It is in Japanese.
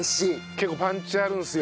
結構パンチあるんですよ。